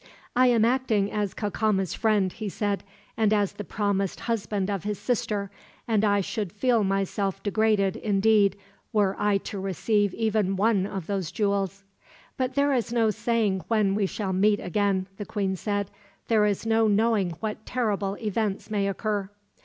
"I am acting as Cacama's friend," he said; "and as the promised husband of his sister; and I should feel myself degraded, indeed, were I to receive even one of those jewels." "But there is no saying when we shall meet again," the queen said. "There is no knowing what terrible events may occur."